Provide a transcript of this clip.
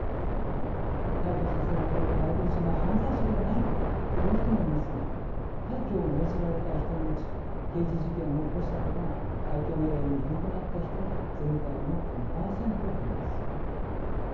退去させられる外国人は犯罪者ではないかという人もいますが退去を命じられた人のうち刑事事件を起こしたことが退去命令の理由となった人は全体の２％ほどです。